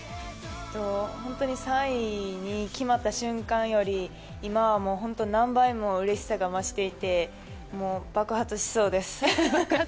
本当に３位に決まった瞬間より今はもう何倍もうれしさが増していてもう爆発しそうです。